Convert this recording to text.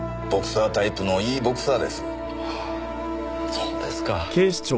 そうですか。